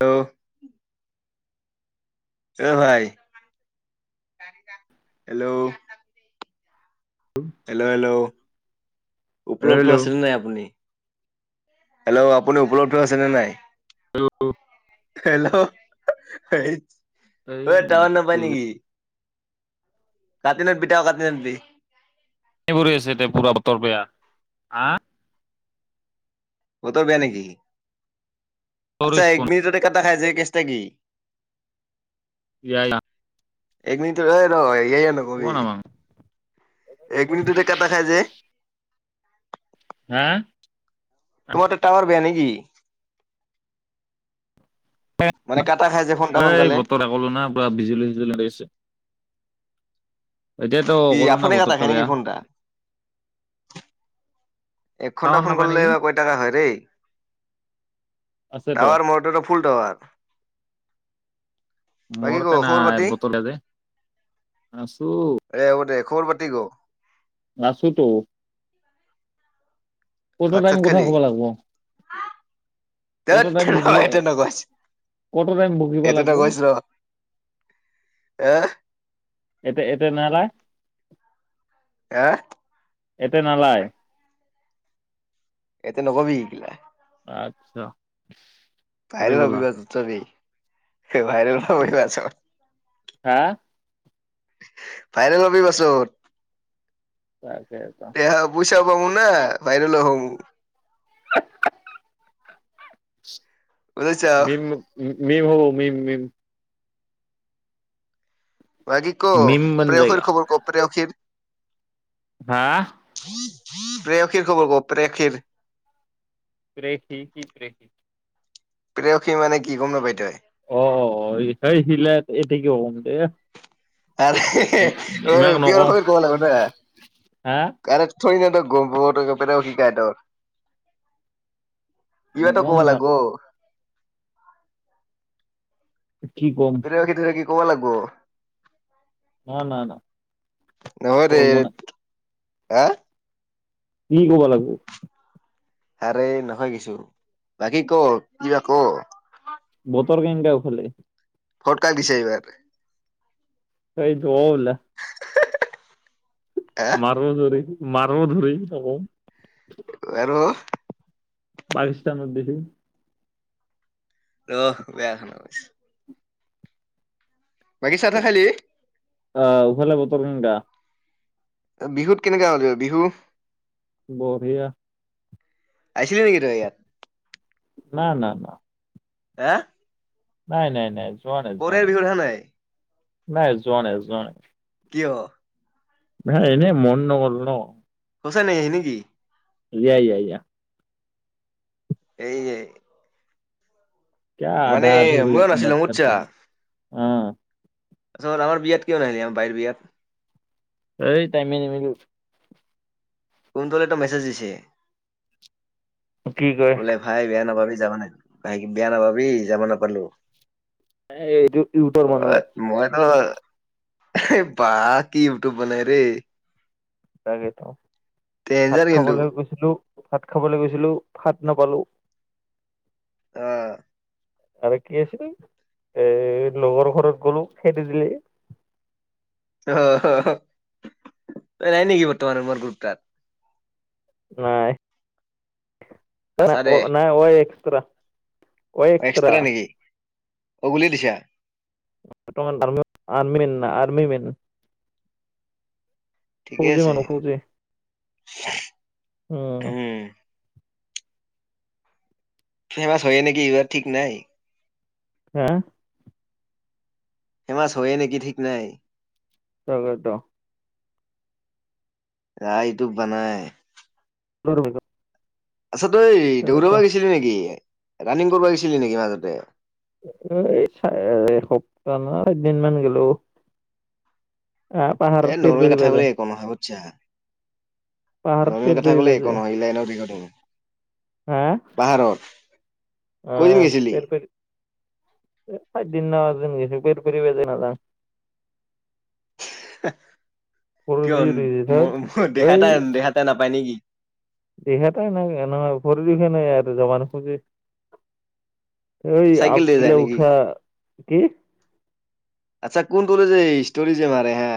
অ'। এ ভাই hello. Hello, hello. উপলব্ধ হেল্ল' আছিল নাই আপুনি? হেল্ল' আপুনি উপলব্ধ আছে নে নাই? হেল্ল হেল্ল' এই এই এ টাঁৱাৰ নাপায় নেকি? কাটি নদ বিঠ কতি নদবি কৰি আছে এ পুৰা বতৰ বয়া হা বতৰ বয়া নেকি? আচ্ছা এক মিনিটতে কাত দেখাই যে কেচ তাৰ কি? ইয়া ইয়া এক মিনিটটো ৰয় ৰ [unintelligible] সেয়া নকবি, এক মিনিটতে কাটা খাই যে হা? তোমাৰ টে টায়াৰ বেয়া নেকি? উম এই সোনকালে বতৰ আকো না পুৰা বিজুলী সিজুলুলি লাগিছে [unintelligible] এতিয়াতো কি ক'লো না আপুনি কাটা বতৰ টা খাই নেকি বেয়া ফোনটা? এক ঘণ্টা টাৱাৰ ফোন নাপায় কৰিলে নেকি কৈটাকা হয় ৰেই, আছেতো টাৱাৰ ম ফুল টাৱাৰ বাকী ক মৰতে খবৰ নাই পাতি? বতল যে, আছো ফৰব্তি গ' [unintelligible] আছোতো কত ভাত টাইম চাত কথা খালি? কব লাগব? কত ধেত টাইমিব ৰ এইটো নকছ কত টাইম বকিব এইটো লাগিব? নকছ ৰ এ এ এতে নালা আহ এতে নালায় এতে নকবি শিকিলা আচ্ছা াই হৰি বলা ৰবিিবতাবেই [unintelligible] ভাইৰেল নই আছ হা? ভাইৰেল হাবি পাচত তাকেতো দে পুইচা পামু না, ভাইৰেলো হম [unintelligible] বুজিছা মেম মই উম মিম হ মিম ম ভাগি ক প্ৰেয়সীৰ খবৰ ক প্ৰেয়সীৰ? হা প্ৰেয়সীৰ খবৰ ক' প্ৰেয়সীৰ। প্ৰেখি কি প্ৰেখি? প্ৰেয়সী মানে কি গ'ম নাপা তই। অ', অ', সেই সিলে এতে কিয় কম এ আৰু নকওঁ পৰব ক'ব লাগিব হা ন'। থৈৰি না তই গম প ত গপটাক শিকাই তই কিবাটো নকওঁ ক'ব ইমাক লাগবো। কি কম প্ৰেয়সী তেয়সী ক'ব লাগবো। ন নাই নহয় দে কৰম' না। হা? কি ক'ব লাগবো। হাৰে নহয় কিছু বাকী ক' কিবা ক'। ব'তৰ কি ও ভালে। ভট কাক দিছে এইবাৰ? কাই যুৱল হা মাৰোজৰি মাৰো ধৰি যবওঁ। বাৰ বাৰিছাংত দিবি। ৰ' বেয়া খন বৈছ। তাহ খালি অফালে বৰষুণ বেয়া। বিহুত কেনেকা হ'ল বিহু? বঢ়িয়া। আছিলি নেকি তই ইয়াত? না না। হা? নাই, নাই, নাই। যোৱা নাই যোৱা কৰে বিহুত আহা নাই। নাই, যোৱা নাই, যোৱা নাই। কিয়? ম এনেই মন নগ'ল ন'। সচাই নে আহি নেকি। ইয়া ইয়া ইয়া। এই, হেই কিয় আধা আধুৰী ময়ো নাছিলো বাত কৰ্তা হে হা অ'। আত আমাৰ বিয়াত কিয় নাহিলি আমাৰ বায়ৰ বিয়াত? এই টাইমে নি মিল কোন দলে এটা মেছেজ দিছে। কি কয় বোলে ভাই বেয়া নাপাবি। যাব নেক বেয়া নাপাবি যাব নাপালো। এইটো ইউটৰ মানুহে মইতো অ', বা কি ইউটউব বনাই ৰে। তাকেটো। ভাত ডেঞ্জাৰ কিন্তু খাবলৈ গৈছিলো। ভাত খাবলৈ গৈছিলো, ভাত নাপালো। অহ। আৰু কি আছিল এ লগৰ ঘৰত গ'লো খেতি দিলে। অ', নাই নেকি বৰ্তমান মাৰ গ্ৰুপ তাত? নাই। আছা দে। নাই এক্স এক্স্ৰা অগুলি দিছা। মান আৰ্মি মনা আৰ্মি মে ঠিকে আছে, মানুহ ফৌজি উম। ফেমছ হয়ে নেকি, ইবাৰ ঠিক নাই। হা। হেমাছ হয়ে নেকি ঠিক নাই। তাকেটো। ৰা এইটো বানাই [unintelligible] আচ্ছা তই দেগুদৱা তাকেতো গৈছিলি নেকি? ৰানিং কৰিব গেছিলি নেকি মাজতে? এ চা সপ্তাহ ন এদিন মান গেলো। আহ, পাহাৰ পিৰপৰি পাযে। যা পেৰ নৰ্মেল কথা পেৰিব ক'লে একো যায় নহয় লাইনৰ বিঘত পাহাৰত। কয়দিন অ', গৈছিলি? আ দিনা [unintelligible] [inaudible] [unintelligible] খনে কিয় ই মোৰ দেহা এটা দেহা এটা নাপায় নেকি? জমাৰ খোজে এইঐ চাইকেল আপ দি গিল যায় নেকি উঠা। কি? আচ্ছা কোনটো যে ষ্টৰি যে মাৰে হা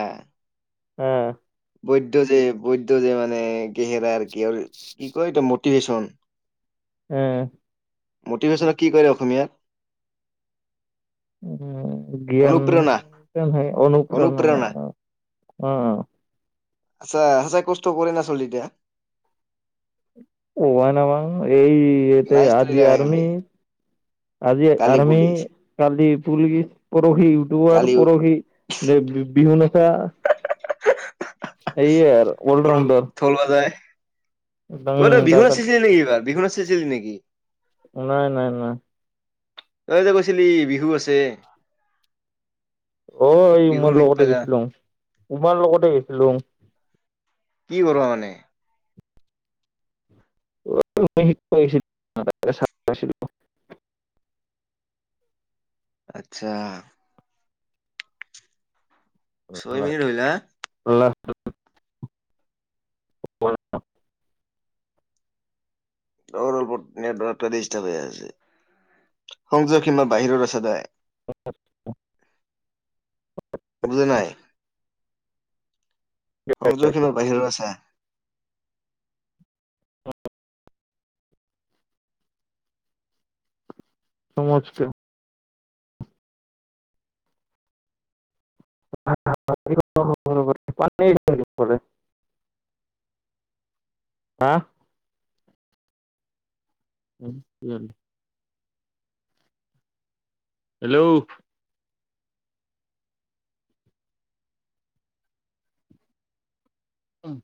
অ'। বৈদ্ধ যে বৈধ যে মানে গেহেৰা কি আৰু কি কয় এ মটিভ্যন উম মটিভেশ্যন কি কৰে অসমীয়াৰ উ উ জ্ঞানহ অনুপণ অনুপ্ৰেৰণা অ আচ্ছা সঁচাই কষ্ট কৰি না চলিতিয়া কোৱা ন এই ইতে নাই ষ্টৰি আজি লগাই আৰ্মি খালি আজি কালি আৰ্মি পুলিচ কালি পুলিচ পৰহি ইউটিউবাৰ কালি পৰহি বিহু ন আ [unintelligible] স অল ৰাউণ্ডাৰ ত বিহু আচছিলি নেকি এইবাৰ বিহু ন আচিছিলি নেকি নাই নাই নাই তই এতিয়া কৈছিলি বিহু আছে অ এই বিহু উমাৰ শিকবা লগতে যা গৈছিলো উমাৰ লগতে গৈছিলো কি কৰা মানে শছিল আচ্ছা ছয় মিনিট ৰলা অ অলপ হৈছে সংযোগ সীমা বাহিৰৰ আছে দায় বুজি নাই সংযোগখিননৰ বাহিৰো আছে সমজক [unintelligible] আহা উ কি হেল্ল' উম